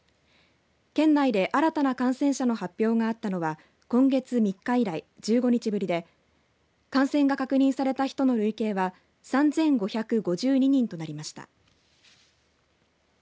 県内で新たな感染者の発表があったのは今月３日以来、１５日ぶりで感染が確認された人の累計は３５５２人となりました。